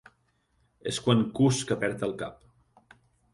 És quan cus que perd el cap.